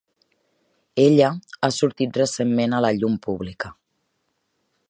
Ella ha sortit recentment a la llum pública.